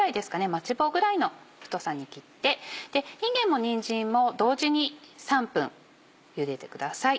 マッチ棒ぐらいの太さに切っていんげんもにんじんも同時に３分ゆでてください。